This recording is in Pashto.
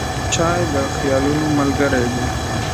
چای د خیالونو ملګری دی.